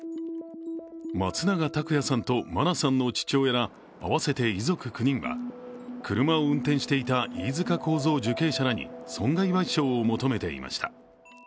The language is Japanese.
松永拓也さんと真菜さんの父親ら合わせて遺族９人は、車を運転していた飯塚幸三受刑者らに損害賠償を求めていました。